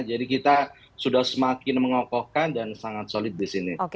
jadi kita sudah semakin mengokokkan dan sangat solid di sini